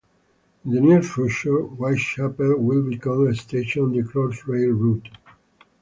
In the near future, Whitechapel will become a station on the Crossrail route.